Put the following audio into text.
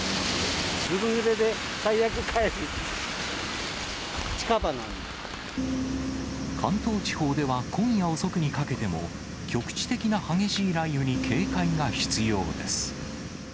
ずぶぬれで、関東地方では今夜遅くにかけても、局地的な激しい雷雨に警戒が必要です。